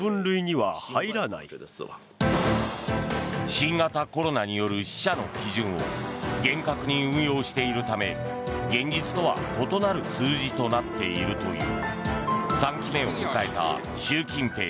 新型コロナによる死者の基準を厳格に運用しているため現実とは異なる数字となっているという。